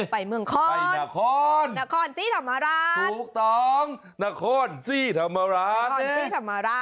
ไปเมืองโค้นนครสีธรรมราชถูกต้องนครสีธรรมราช